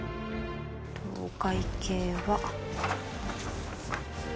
お会計が。